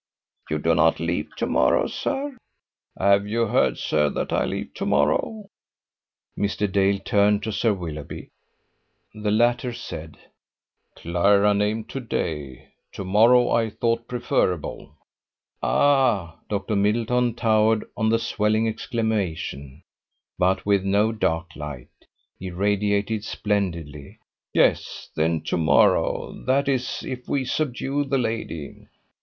"You do not leave to morrow, sir?" "Have you heard, sir, that I leave to morrow?" Mr. Dale turned to Sir Willoughby. The latter said: "Clara named to day. To morrow I thought preferable." "Ah!" Dr. Middleton towered on the swelling exclamation, but with no dark light. He radiated splendidly. "Yes, then, to morrow. That is, if we subdue the lady."